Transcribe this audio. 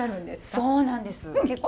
そうなんです結構。